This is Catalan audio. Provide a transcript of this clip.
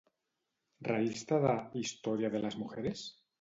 Revista de Historia de las Mujeres?